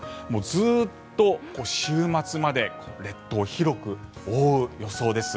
ずっと週末まで列島、広く覆う予想です。